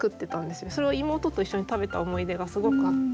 それを妹と一緒に食べた思い出がすごくあって。